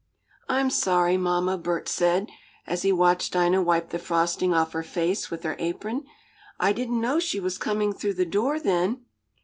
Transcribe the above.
"I'm sorry, mamma," Bert said, as he watched Dinah wipe the frosting off her face with her apron. "I didn't know she was coming through the door then."